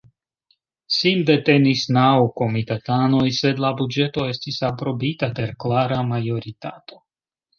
Sin detenis naŭ komitatanoj, sed la buĝeto estis aprobita per klara majoritato.